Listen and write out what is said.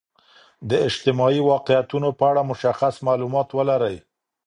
د اجتماعي واقعیتونو په اړه مشخص معلومات ولرئ.